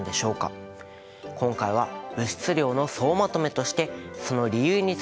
今回は物質量の総まとめとしてその理由について考えていきます。